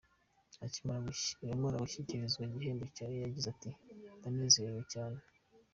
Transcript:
Akimara gushyikirizwa igihembo cye yagize ati “Ndanezerewe cyane.